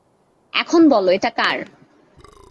এখন বলো এটা কার?